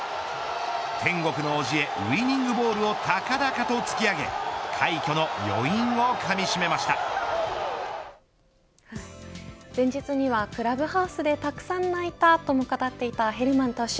天国の叔父へウイニングボールをたかだかと突き上げ前日にはクラブハウスでたくさん泣いたと語っていたヘルマン投手。